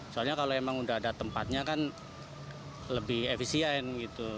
soalnya kalau emang udah ada tempatnya kan lebih efisien gitu